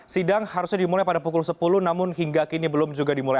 sidang harusnya dimulai pada pukul sepuluh namun hingga kini belum juga dimulai